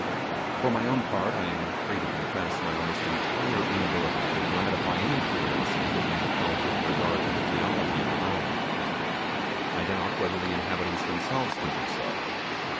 For my own part, I am free to confess my almost entire inability to gratify any curiosity that may be felt with regard to the theology of the valley. I doubt whether the inhabitants themselves could do so.